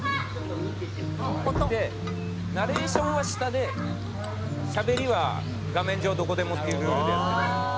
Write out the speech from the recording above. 「“ポト”」「ナレーションは下でしゃべりは画面上どこでもっていうルールでやってる」